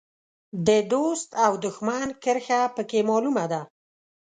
د دوست او دوښمن کرښه په کې معلومه ده.